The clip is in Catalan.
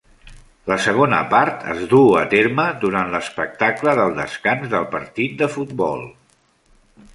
La segona part es duu a terme durant l'espectacle del descans del partit de futbol.